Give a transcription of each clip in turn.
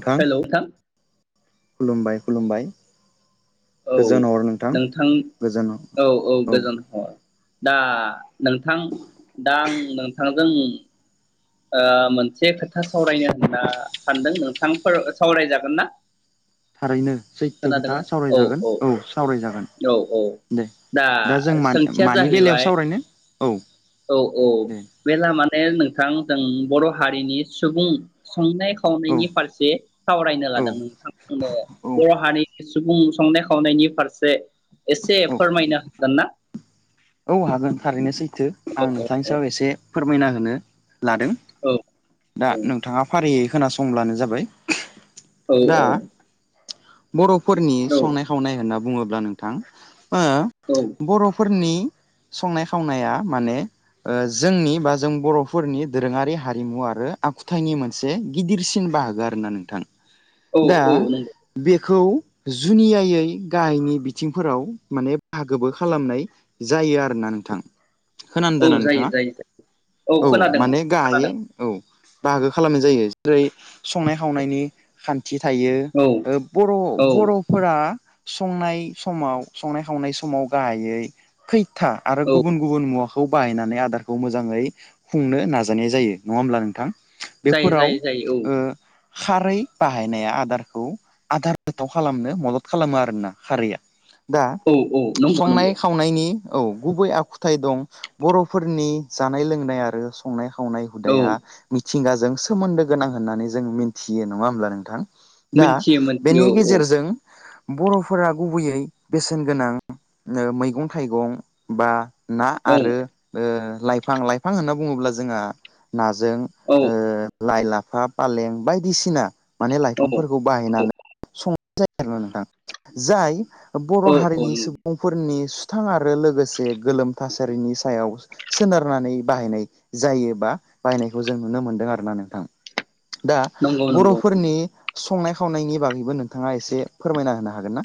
नोंथां खुलुमबाय खुलुमबाय औ गोजोन हर नोंथां गोजोन औ औ गोजोन हर दा नोंथां दा आं नोंथांजों ओ मोनसे खोथा सावरायनो होनना सानदों नोंथांफोर सावरायजागोन ना? थारैनो सैथो खोथा खोनादोंना औ औ सावरायजागोन औ औ सावरायजागोन औ औ दे दा सोंथिया मानि बेलायाव जाहैबाय सावरायनो औ औ औ दे बेला माने नोंथां जों बर' हारिनि सुबुं संनाय औ खावनायनि फारसे सावरायनो औ लादों नोंथांमोननो औ बर' हारिनि सुबुं संनाय खावनायनि फारसे एसे औ फोरमायनो होगोन ना? औ हागोन थारैनो सैथो औ आं नोंथांनि सायाव एसे फोरमायना होनो लादों दा नोंथाङा फारियै खोनासंब्लानो जाबाय। औ औ बर' फोरनि संनाय खावनाय होना बुं बुङोब्ला नोंथां ओ बर'फोरनि संनाय खावनाया माने ओ जोंनि बा जों बर'फोरनि दोरोङारि हारिमु आरो आखुथाइनि मोनसे गिदिरसिन बाहागो आरो ना नोंथां। दा औ औ नंगौ बे खौ जुनियायै गाहायनि बिथिंफोराव माने फागोबो खालामनाय जायो आरो ना नोंथां। होनान दोना औ जायो नोंथाङा जायो जायो औ खोनादों माने गाहायै खोनादों औ। बाहागो खालामनाय जायो जेरै संनाय खावनायनि खान्थि थायो औ ओ औ बर'-बर'फोरा संनाय समाव संनाय खावनाय समाव गाहायै खै था आरो औ गुबुन गुबुन मुवाखो खौ बाहायनानै आदारखौ मोजाङै खुंनो नाजानाय जायो नङा होमब्ला नोंथां। जायो बेफोराव जायो जायो ओ खारै बाहायनाया आदारखौ आदार गोथाव खालामनो मदद खालामो आरोना खारैया। दा औ औ नंगौ संनाय नंगौ खावनायनि औ गुबै आखुथाय दं बर'फोरनि जानाय लोंनाय आरो संनाय संनाय औ हुदाया मि मिथिंगाजों सोमोन्दो गोनां होननानै जों मिन्थियो नङा होमब्ला नोंथां। दा मोनथियो बेनि मोनथियो औ गेजेरजों बर'फोरा गुबैयै बेसेन गोनां ओ मैगं थाइगं बा ना आरो ओ लाइफां लाइफां होनना बुङोब्ला जोंहा ना जों औ ओ लाइ, लाफा, पालें बायदिसिना । माने औ लाइफांफोरखौ बाहायनानो [unintelligible] नोंथां जाय बर' औ औ हारिनि सुबुंफोरनि सुथां आरो लोगोसे गोलोम थासारिनि सायाव सोनारनानै बाहायनाय जायोबा बाहायनायखौ जों नुनो मोनदों आरो ना नोंथां । दा नंगौ बर' नंगौ फोरनि संनाय खावनायनि बागैबो नों थाङा एसे फोरमायना होनो हागोन ना?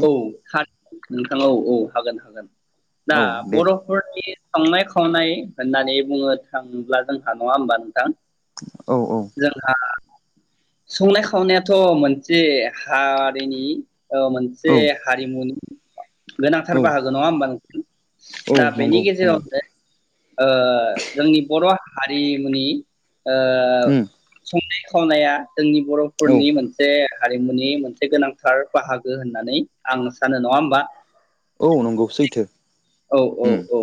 औ [unintelligible] नोंथां औ औ हागोन हागोन । दा औ दे बर'फोरनि संनाय खावनाय होननानै [unintelligible] थांल्बा जोंहा नङा होमबा नोंथां औ जोंहा संनाय खावनायाथ' मोनसे हारिनि ओ से औ हारिमुनि गोनांथार औ बाहागो नङा होमबा औ [inaudible] दा नंगौ बेनि नंगौ गेजेरावनो ओ जोंनि बर' [unintelligible] हारिमुनि ओ उम संनाय [unintelligible] स'नाया जोंनि औ बर'फोरनि मोनसे हारिमुनि मोनसे गोनांथार बाहागो होन नानै आं सानो नङा होमबा? औ नंगौ सैथो । औ औ औ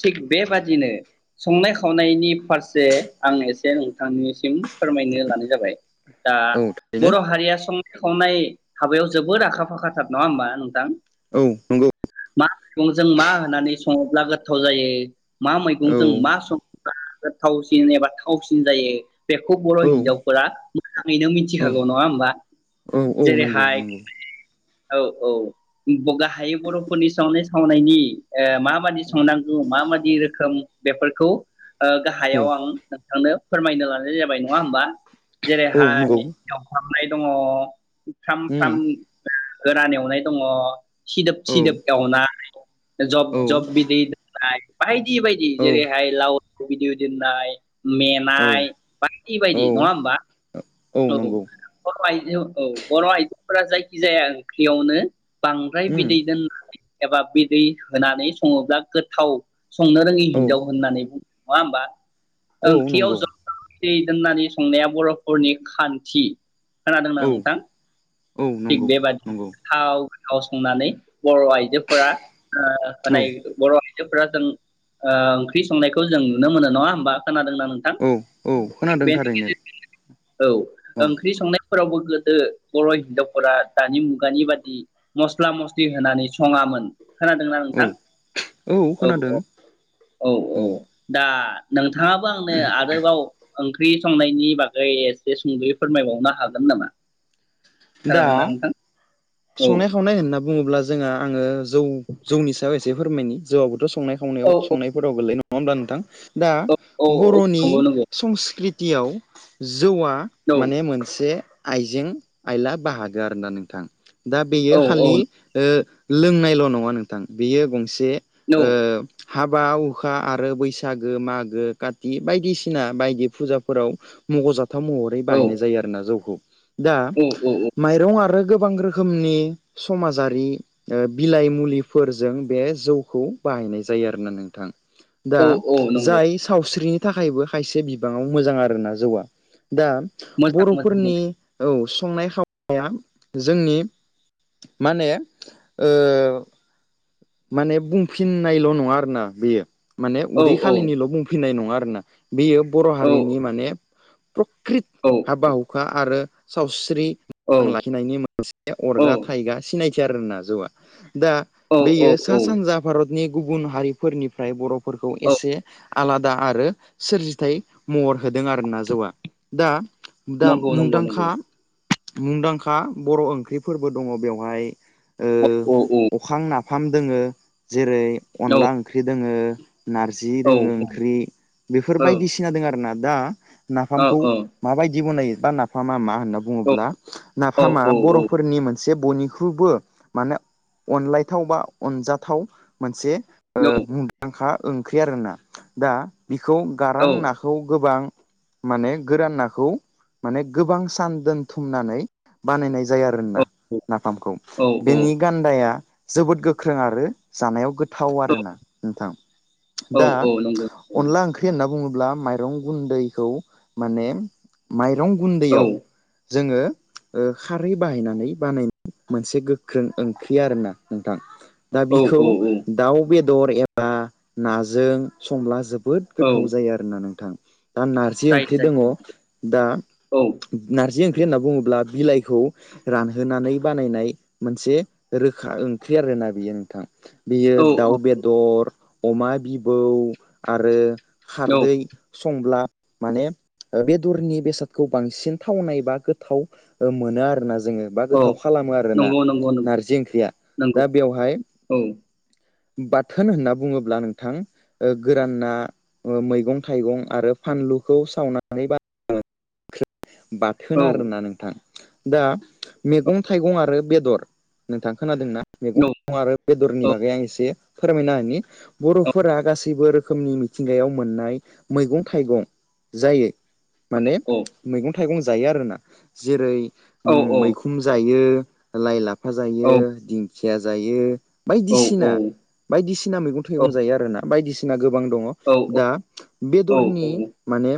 थिग औ बेबादिनो संनाय खावनायनि फारसे आं एसे नोंथांनिसिम फोरमायनो लानाय जाबाय दा औ थारैनो बर' हारिया सं संनाय हाबायाव जोबद आखा फाखाथार नङा होमबा नोंथां? औ नंगौ । जों मा होननानै सङोब्ला गोथाव जायो? मा औ मैगंजों मा सं गोथावसिन एबा थावसिन जायो बेखौ बर' औ हिनजावफोरा थारैनो मिथिखागौ नङा होमबा औ औ नंगौ जेरैहाय नंगौ औ औ गाहायै बर'फोरनि सायावनो ए खावनायनि ए माबादि संनांगौ माबादि रोखोम बेफोरखौ ओ औ गाहायाव आं थांनो फोरमायनो लादों बे जाबाय नङा होनबा औ जेरैहाय नंगौ एवफ्राम होनाय दङ मुथाम उम मुथाम नो गोरान एवनाय दङ सिदोब सिदोब औ गावना [unintelligible] जब औ जब बिदै दोननाय बाय दि बायदि औ जेरैहाय लाव [unintelligible] मेनाय औ बायदि बायदि औ नङा होमबा औ बर' आइजो औ बर' आइ फोरा जायखि जाया ओंख्रियावनो बांद्राय उम बिदै दोननानै एबा बि दै होनानै सङोब्ला गोथाव संनो रोङि औ हिनजाव होननानै बुङो नङा होमबा। औ ओंख्रियाव नंगौ जों दै होननानै संनाया बर'फोरनि खान्थि। खोनादोंना औ नोंथां औ थिग नंगौ बेबादिनो नंगौ थाव गाव संनानै बर' आइजोफोरा ओ औ मानै बर' आइ आयजोफोरा जों ओ ओंख्रि संनायखौ जों नुनो मोनो नङा होमबा। खोनादोंना नोंथां औ औ थिग खोनादों बेनि थारैनो गेजेरजोंनो औ औ ओंख्रि संनाय फोरावबो गोदो बर हिनजावफोरा दानि मुगानि बादि मस्ला मस्लि होनानै सङामोन। खोनादोंना औ नोंथां? औ औ औ औ दा नोंथ थाङाबो आंनो आरोबाव ओंख्रि संनायनि बागै एसे सुंदयै फोरमायबावनो हागोन नामा? दा खोनादोंना नोंथां? औ संनाय खावनाय होनना बुङोब्ला जोंहा आङो जौ जौनि सायाव एसे फोरमायनि जौआबोथ संनाय खावनायाव औ संनायफोराव गोलैयोन नङा होमबा नोंथां? दा औ बरनि नंगौ संस्कृत तियाव जो । जौआ नंगौ माने मोनसे आइजें आइला बाहागो आरोना नोंथां। दा बेयो औ औ खालि ओ लोंनायल नङा नोंथां बियो गंसे औ ओ हाबा हुखा आरो बैसागो मागो काति बायदिसिना बायदि फुजाफोराव मखजाथ थाव महरै औ बाहायनाय जायो आरोना जौखौ। दा औ माइरं आरो गोबां रो रोखोमनि समाजारि ओ बिलाइ मुलिफोरजों बे जौखौ बाहायनाय जायो आरोना नोंथां। दा औ औ नंगौ जाय सावस्रि बेनि थाखायबो खायसे बिबाङाव मोजां आरोना जौवा । दा मोजां मोजां बरफोरनि औ संनाय खावाया जोंनि माने ओ माने बुंफिननायल नङा आरोना बेयो । माने मोजां औ उदै औ खालिनिल बुंफिननाय नङा मा आरोना बेयो बर औ हारिनि माने । प्रक्रित औ हाबा हुखा आरो सावस्रि औ [unintelligible] लाखिनायनि मोनसे - अरगा औ थायगा सिं नायसै आरोना जौआ दा बेयो औ सा औ सानजा भारत नि गुबुन हारिफोरनिफ्राय बर' फोरखौ औ एसे आलादा आरो सोरजिथाय महर होदों आरो ना जौआ दा दा नंगौ नंगौ नंगौ मुंन्दांखा मुंदांखा बर' ओ फुख्रिफोरबो दङ बेवहाय, अ औ औ फाम दोङो जेरै औ अनला ओंख्रि दोङो, नारजि औ दोंङो ओंख्रि बेफोर बायदिसिना दोंङो आरो ना दा औ नाफामखौ माबायदि बनायो, बा नाफामा मा? होनना बुङोब्ला औ नाफामा औ बर' मोनसे बयनिख्रुबो माने अनलायथाव बा अनजाथाव मोनसे, ओ मुंन्दांखा ओंख्रि आरोना दा बिखौ गारां नाखौ गोबां माने गोरान नाखौ माने गोबां सान दोनथुमनानै बानायनाय जाया ना नाफामखौ औ बेनि गान्दाया जोबोद गोख्रों आरो जानायाव गोथ थाव आरो ना नोंथां दा नंगौ औ अनला ओंख्रि होनना बुङो ब्ला मायरं गुन्दैखौ माने माइ, माइरं गुन्दैयाव जोङो ओ खारै बाहायनानै बानायनाय मोनसे गोख्रों ओंख्रि आरोना नोंथां, दा औ बिखौ औ दाउ बेद बेदर एबा नाजों संला जोब, जोबोद गोथाव जायो आरोना नोंथां, दा नारजि जायो ओंख्रि जायो दङ दा औ नारजि ओं [unintelligible] होनना बुङोब्ला बिलाइ खौ रानहोनानै बानायनाय मोनसे रोखा ओंख्रि आरोना बियो नोंथां। बेयो औ दाउ बेदर अमा बिबौ आरो औ खारदै संब्ला माने बेदरनि बेसादखौ बांसिन थावनाय बा गोथाव ओ मोनो आरोना जोङो बा औ गोथाव खालामोआरोना नंगौ नंगौ नंगौ नार्जि ओंख्रिआ दा नंगौ बेयावहाय औ बाथोन होनना बुङोब्ला नोंथां गोरान ना मैगं थाइगं आरो फानलुखौ सावनानै बा [unintelligible] औ बाथोन आरोना नोंथां दा मेगं थाइगं आरो बेदर नोंथां खोनादों ना औ मेगंं थाइगं आरो बेदरनि बागै आं एसे फोरमायना होनि बरफोरा गासैबो रोखोमनि मिथिंगायाव मोननाय मैगं थाइगं जायो माने औ मैगं थाइगं जायो आरोना जेरै औ मैखुन जायो लायलाफ फाजायो दिंखि [unintelligible] जायो औ बायदिसिना बायदिसिना मैगं थाइगं जायो आरोना बायदिसि ना गोब बां दङ। दा औ बेदरनि औ औ माने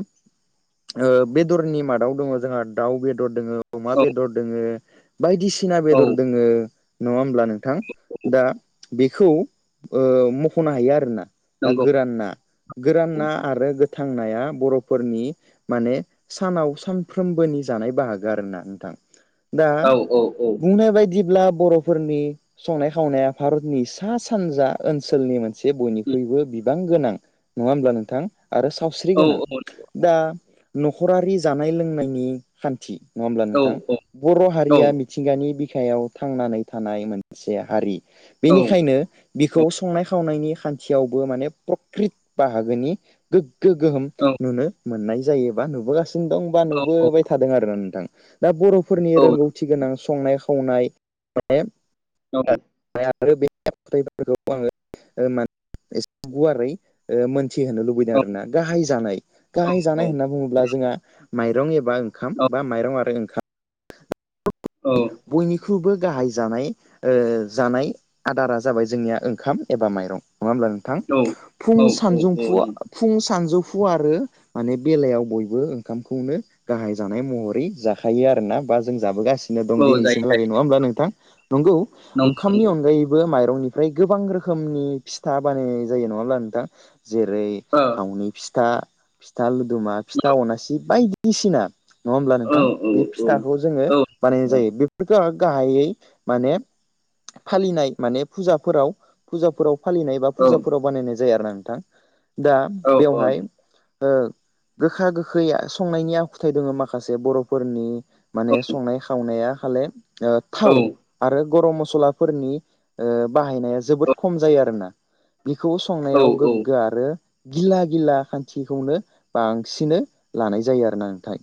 ओ बेदरनि मादाव दङ जोंहा दाउ बेदर दङ अमा बेदर दोङो बायदिसिना बेदर दोङो नङा होम्ला नों थां दा बेखौ ओ मखनो हायो आरोना दा नंगौ गोरान ना गोरान औ ना आरो गो थां नाया बर'फोरनि माने सानाव सानफ्रोमबोनि जानाय बाहागो आरो ना नोंथां दा औ औ बुंनाय बायदिब्ला बर'फोरनि संनाय खावनाया भारतनि सा सानजा ओनसोलनि मोनसे बयनिख्रुइबो बिबां गोनां नङा होमब्ला नोंथां? आरो सावस्रि गोनां दा न'खरारि जानाय लोंनायनि खान्थि नङा होमब्ला औ नोंथां? बर औ-औ-औ-औ-औ-औ-औ-औ-औ-औ-औ-औ-औ-औ-औ-औ-औ-औ-औ-औ-औ औ हारिया मिथिंगानि बिखायाव थांनानै थानाय मोनसे हारि बेनिखायनो बिखौ संनाय खावनायनि खान्थियावबो माने प्रकृत बाहागोनि गो गो गोहोम नुनो मोननाय जायोबा नुबोगासिनो दं बा नुबोबाय थादों आरो दा बर' फोरनि रोंगौथि गोनां संनाय खावनाय माने औ [unintelligible] गुवारै ओ मोन थि होनो लुबैदों आरोना गाहाय जानाय गाहाय जानाय होनना बुङोब्ला जोंहा माइरं एबा बा ओंखाम बा माइरं आरो [unintelligible] औ बो गाहाय जानाय ओ जानाय आदारा जाबाय जोंनिया ओंखाम एबा माइरं नङा होमब्ला नोंथां फुं औ सानजौफु नंगौ फुं सानजौ फु आरो माने बेलायाव बयबो ओंखामखौनो गाहाय जानाय महरै जाखायो आरोना बा जों जाबोगासि नो दं औ जायो दिनैसिम लागै जायो नङा होमब्ला नोंथां? नंगौ नं ओंखामनि अनगायैबो माइ रावनिफ्राय गोबां रोखोमनि फिथा बानायनाय जायो नङा होमबा नोंथां? जेरै थावनि फिथा फिथा लुब दुमा फिथा अनासि बायदि दिसिना नङा होमब्ला नोंथां? बे फिथाखौ जोङो बानायनाय जायो बेफोरखौ गाहायै माने फालिनाय माने फुजाफोराव फुजाफोराव फालिनाय बा फुजाफोराव बानायनाय जायो आरो ना नोंथां। दा बेवहाय नंगौ ओं गोखा गोखै संनायनि आखुथाय दङ माखासे बर'फोरनि माने संनाय खा नाया खाले ओ थाव आरो गरम मसलाफोरनि बाहायनाया जोबोद खम जायो आरोना। बिखौ संनायाव गोगगो आरो गिला गिला खान्थिखौनो बांसिनो लानाय जायो आरो ना नोंथां।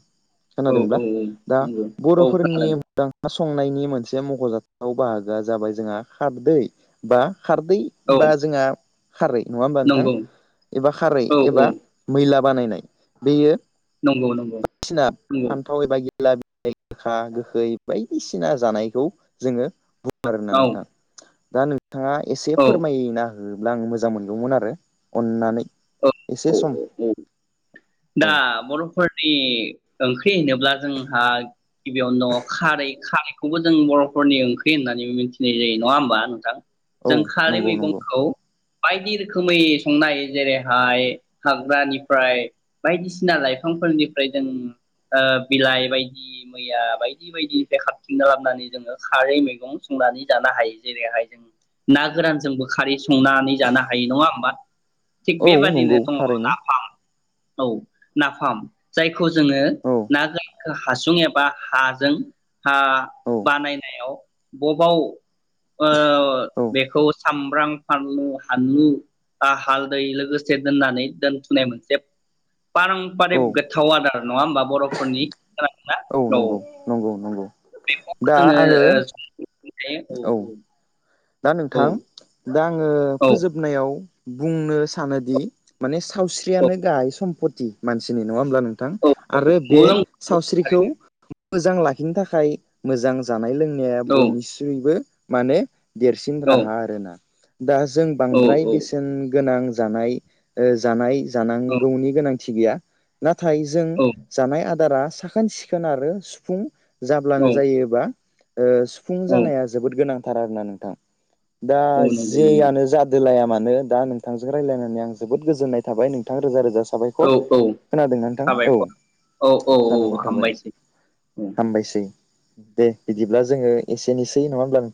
औ खोनादोंब्ला औ औ दा बुं [unintelligible] औ खोनादों संनायनि मोनसे मख'जाथाव बाहागोआ जाबाय जोंहा खारदै बा खारदै औ बा जोंहा खारै नङा होमबा नोंथां नंगौ एबा खारै एबा औ-औ मैला बानायनाय बेयो नंगौ नंगौ [unintelligible] नंगौ फान्थाव एबा [unintelligible] गोखा गोखै बायदिसिना जानायखौ जोङो आरोना औ नोंथां। दा नों नोंथाङा एसे फोरमायना होब्ला आं मोजां मोनगौमोन आरो अननानै औ एसे औ सम औ औ दा बर'फोरनि ओंख्रि होनोब्ला जोंहा गिबियावनो दङ खारै खारै बेखौबो जों बरफोरनि ओंख्रि होननानै मिथिनाय जायो नङा होमबा नोंथां औ जों खारै नंगौ नंगौ मैगंखौ बायदि रोखोमै संनाय जेरैहाय हाग्रानिफ्राय बायदिसिना लाइफांफोरनिफ्राय जों ओ बिलाइ बायदि मैया बायदि बायदिनिफ्राय खारथिंना लाबोनानै जोङो खारै मैगं संनानै जानो हायो जेरैहाय जों ना गोरानजोंबो खारै संनानै जानो हायो नङा होमबा? थिग औ बेबादिनो नंगौ अ थारैनो नाफाम औ नाफाम जायखौ जोङो औ ना गोरां हासुं एबा हाजों हा औ बानायनायाव बबाव ओ औ बेखौ सामब्राम फानलु हानलु हालदै लोगोसे दोननानै दोनथुनाय मोनसे पारमपारिक औ गोथाव आदार नङा होमबा बरफोरनि औ नंगौ नंगौ नंगौ दा जोङो आङो ओ औ औ दा नोंथां दा आङो फोजोबनायाव बुंनो सानोदि माने सावस्रियानो गाहाय सम्पत। मानसि नङा होनब्ला नो नोंथां आरो बे औ नंगौ नों सावस्रिखौ थारैनो मोजां लाखिनो थाखाय मोजां जानाय लोंनाय बयनिसुबो माने देरसिन औ राहा आरो ना दा जों औ बांद्राय औ बेसेन गोनां जानाय ओ जानाय जानांगौनि गोनांथि थि गैया ना नाथाय जों औ जानाय आदारा साखोन सिखोन आरो सुफुं जाब्लानो औ जायोबा। ओ सुफुं औ जानाया जोबोद गोनां थारार होननानै दा दा औ नंगौ नंगौ जेयानो जा दोलाया मानो दा नोंथांजों रायज्लायनानैं जोबोद गोजोननाय थाबाय नोंथां रोजा रोजा औ साबायखर औ खोनादोंना नोंथां औ साबायखर औ औ औ साबायखर थाबाय हामबायसै। हामबायसै दे बिदिब्ला जोङो एसेनोसै नङा होमब्ला नोंथां